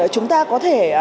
chúng ta có thể